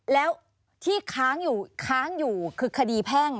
แล้วที่ค้างอยู่คือคดีแพ่ง